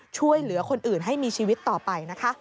ช่วยเหลือคนอื่นให้มีชีวิตต่อไปนะคะ